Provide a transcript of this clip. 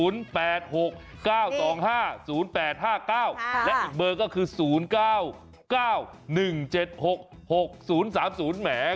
และอีกเบอร์ก็คือ๐๙๙๑๗๖๖๐๓๐แหม